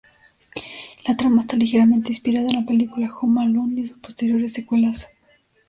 La trama está ligeramente inspirada en la película: "Home Alone" y sus posteriores secuelas.